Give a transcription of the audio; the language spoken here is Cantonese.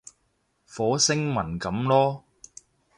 火星文噉囉